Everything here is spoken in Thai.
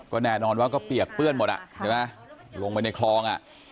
ก็แน่นอนว่าก็เปียกเปื้อนหมดอ่ะใช่ไหมลงไปในคลองอ่ะ